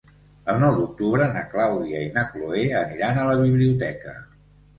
El nou d'octubre na Clàudia i na Cloè aniran a la biblioteca.